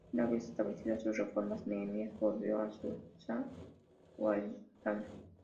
Una vez establecidas sus reformas, Nehemías volvió a Susa o a Ecbatana.